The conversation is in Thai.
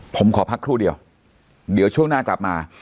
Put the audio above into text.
ผมขอพักครู่เดียวเดี๋ยวช่วงหน้ากลับมา